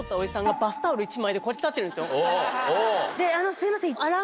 すいません。